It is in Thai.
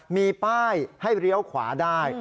มีป้ายให้เลี้ยวขวาได้